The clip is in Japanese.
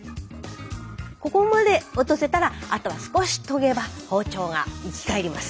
ここまで落とせたらあとは少し研げば包丁が生き返ります。